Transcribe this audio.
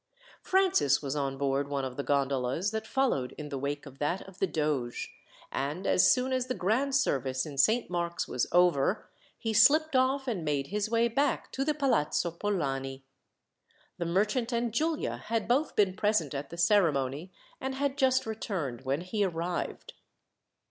Francis was on board one of the gondolas that followed in the wake of that of the doge, and as soon as the grand service in Saint Mark's was over, he slipped off and made his way back to the Palazzo Polani. The merchant and Giulia had both been present at the ceremony, and had just returned when he arrived.